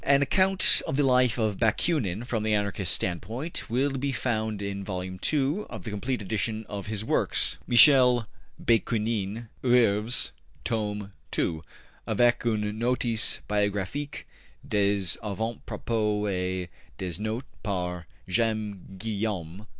An account of the life of Bakunin from the Anarchist standpoint will be found in vol. ii of the complete edition of his works: ``Michel Bakounine, OEuvres,'' Tome II. Avec une notice biographique, des avant propos et des notes, par James Guillaume.